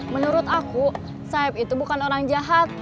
menurut aku saif itu bukan orang jahat